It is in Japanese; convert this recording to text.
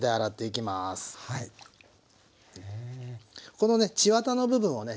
このね血わたの部分をね